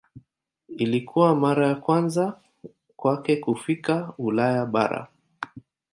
Ilikuwa mara ya kwanza kwake kufika Ulaya bara.